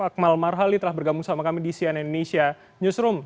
akmal marhali telah bergabung sama kami di cnn indonesia newsroom